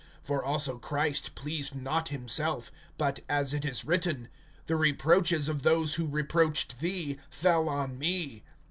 (3)For also Christ pleased not himself; but, as it is written: The reproaches of those who reproached thee, fell on me.